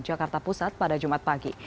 jakarta pusat pada jumat pagi